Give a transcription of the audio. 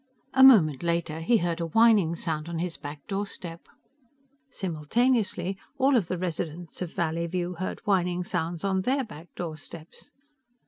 A moment later he heard a whining sound on his back doorstep. Simultaneously all of the residents of Valleyview heard whining sounds on their back doorsteps.